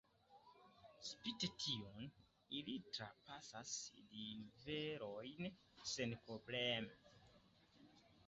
Spite tion, ili trapasas riverojn senprobleme.